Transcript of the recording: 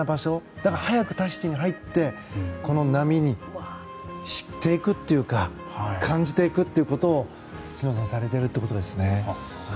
だから、早くタヒチに入ってこの波を知っていくというか感じていくということを詩野さんはされているということですね。